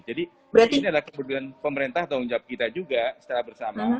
jadi ini adalah kebutuhan pemerintah dan kita juga secara bersama